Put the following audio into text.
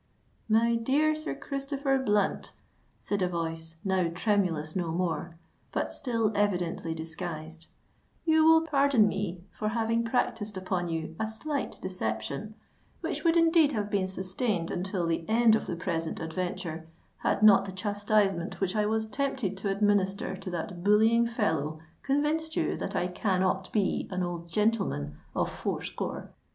"My dear Sir Christopher Blunt," said a voice, now tremulous no more, but still evidently disguised, "you will pardon me for having practised upon you a slight deception, which would indeed have been sustained until the end of the present adventure, had not the chastisement which I was tempted to administer to that bullying fellow convinced you that I cannot be an old gentleman of four score.